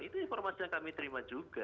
itu informasi yang kami terima juga